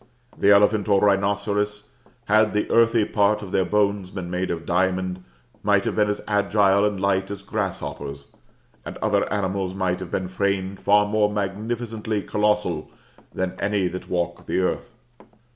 The elephant or rhinoceros, had the earthy part of their bones been made of diamond, might have been as agile and light as grasshoppers, and other animals might have been framed far more magnificently colossal than any that walk the earth.